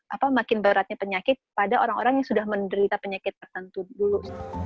apa makin beratnya penyakit pada orang orang yang sudah menderita penyakit tertentu dulu